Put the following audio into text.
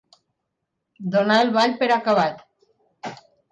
Donar el ball per acabat.